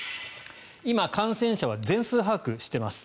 今、感染者は全数把握しています。